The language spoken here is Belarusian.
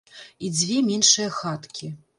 І дзве меншыя хаткі.